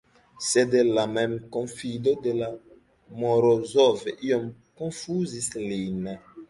Sed la memkonfido de Morozov iom konfuzis lin.